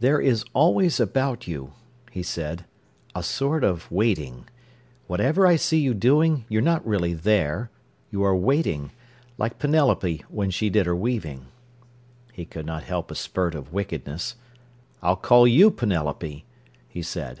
"There is always about you," he said, "a sort of waiting. Whatever I see you doing, you're not really there: you are waiting—like Penelope when she did her weaving." He could not help a spurt of wickedness. "I'll call you Penelope," he said.